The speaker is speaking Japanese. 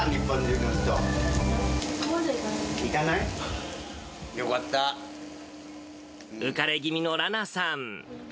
浮かれ気味の羅名さん。